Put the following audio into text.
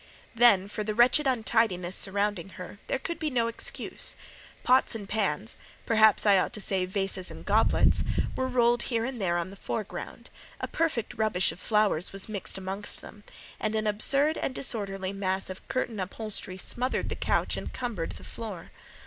Then, for the wretched untidiness surrounding her, there could be no excuse. Pots and pans—perhaps I ought to say vases and goblets—were rolled here and there on the foreground; a perfect rubbish of flowers was mixed amongst them, and an absurd and disorderly mass of curtain upholstery smothered the couch and cumbered the floor.